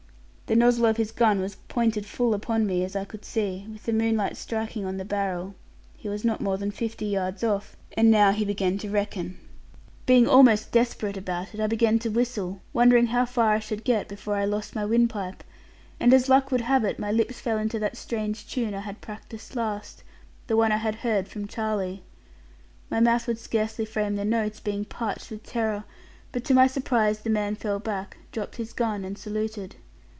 The nozzle of his gun was pointed full upon me, as I could see, with the moonlight striking on the barrel; he was not more than fifty yards off, and now he began to reckon. Being almost desperate about it, I began to whistle, wondering how far I should get before I lost my windpipe: and as luck would have it, my lips fell into that strange tune I had practised last; the one I had heard from Charlie. My mouth would scarcely frame the notes, being parched with terror; but to my surprise, the man fell back, dropped his gun, and saluted.